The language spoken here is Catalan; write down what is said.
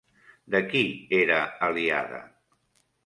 De qui era aliada?